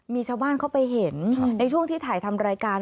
มีชาวบ้านเข้าไปเห็นในช่วงที่ถ่ายทำรายการ